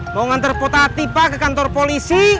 mau ngantar potati pak ke kantor polisi